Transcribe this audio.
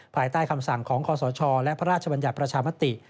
ภายใต้คำสั่งของคศและพระราชบัญญัติประชามติ